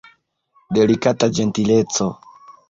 Delikata ĝentileco!